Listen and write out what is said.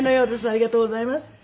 ありがとうございます。